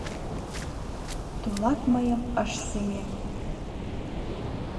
Тулат мыйым ыш сеҥе.